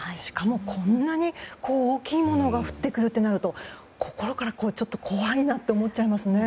こんなに大きいものが降ってくるとなると心から怖いなって思っちゃいますよね。